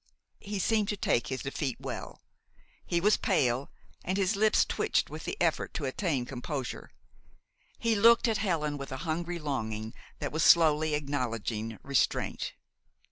He seemed to take his defeat well. He was pale, and his lips twitched with the effort to attain composure. He looked at Helen with a hungry longing that was slowly acknowledging restraint.